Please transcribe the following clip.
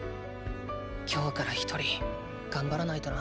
今日から一人頑張らないとな。